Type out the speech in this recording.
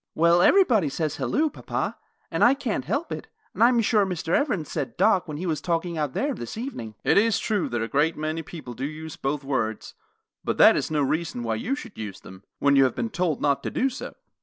"Well, everybody says 'Halloo,' papa, and I can't help it, and I'm sure Mr. Evans said 'Doc' when he was talking out there this evening." "It is true that a great many people do use both those words, but that is no reason why you should use them, when you have been told not to do so.